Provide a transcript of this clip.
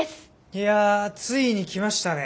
いやついにきましたね。